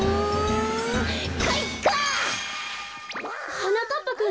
はなかっぱくん。